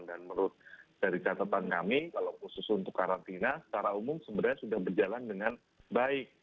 dan menurut dari catatan kami kalau khusus untuk karantina secara umum sebenarnya sudah berjalan dengan baik